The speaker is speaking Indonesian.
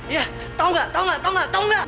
iya tau gak tau gak tau gak tau gak